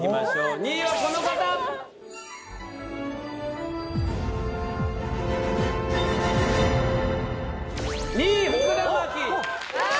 ２位はこの方あー！